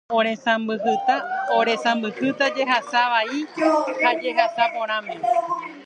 oresãmbyhýta jehasa vai ha jehasa porãme